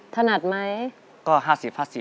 ทนามพี่พี่